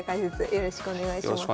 よろしくお願いします。